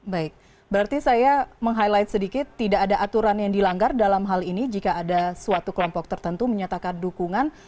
baik berarti saya meng highlight sedikit tidak ada aturan yang dilanggar dalam hal ini jika ada suatu kelompok tertentu menyatakan dukungan